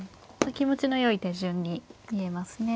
気持ちのよい手順に見えますね。